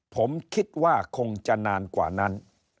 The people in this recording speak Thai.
ผมคิดว่าคงจะนานกว่านั้น